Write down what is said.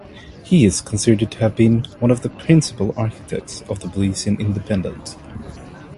He is considered to have been one of the principal architects of Belizean independence.